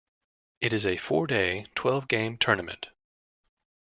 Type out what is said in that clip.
It is a four-day, twelve-game tournament.